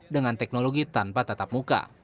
dengan teknologi tanpa tatap muka